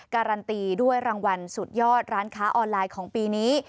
การันตีด้วยรางวัลสุดยอดร้านค้าออนไลน์ของปีนี้